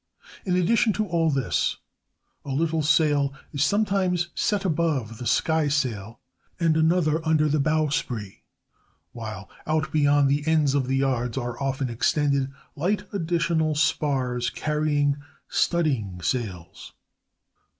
In addition to all this, a little sail is sometimes set above the skysail, and another under the bowsprit, while out beyond the ends of the yards are often extended light additional spars carrying studdingsails.